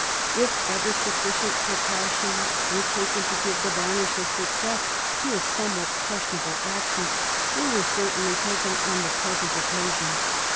If ever sufficient precautions were taken to give the varnish of success to a somewhat question able action, they were certainly taken on the present occasion.